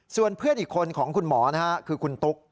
ส่วนเพื่อนอีกคนของคุณหมอนะฮะคือคุณตุ๊ก